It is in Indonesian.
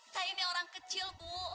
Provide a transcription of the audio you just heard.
saya ini orang kecil bu